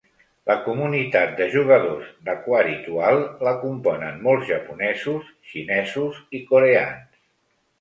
La comunitat de jugadors d'Aquaritual la componen molts japonesos, xinesos i coreans.